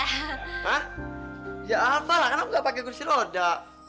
hah ya alva lah kamu gak pake gursi roda